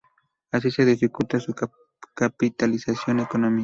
así se dificulta su capitalización económica